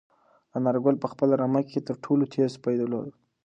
انارګل په خپله رمه کې تر ټولو تېز سپی درلود.